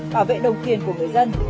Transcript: bảo vệ đồng tiền của người dân